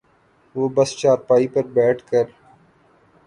وہ بس چارپائی پر بیٹھ کر